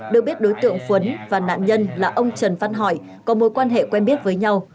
được biết đối tượng quấn và nạn nhân là ông trần văn hỏi có mối quan hệ quen biết với nhau